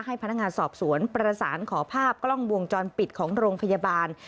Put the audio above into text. พนักงานสอบสวนประสานขอภาพกล้องวงจรปิดของโรงพยาบาล